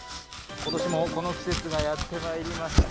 今年もこの季節がやってまいりました。